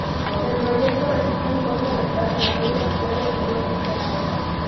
El proyecto recibió un fuerte rechazo en las redes sociales y no ha prosperado.